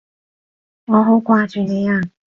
我好掛住你啊！